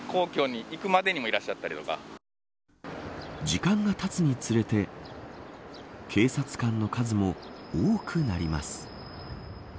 時間がたつにつれて警察官の数も多くなります。